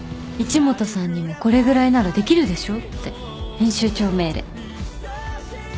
「一本さんにもこれぐらいならできるでしょ」って編集長命令。